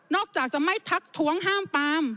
อกจากจะไม่ทักท้วงห้ามปาม